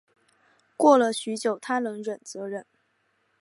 过了许久她能忍则忍